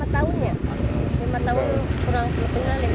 lima tahun kurang lebih tinggal